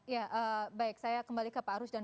ya baik saya kembali ke pak rusdan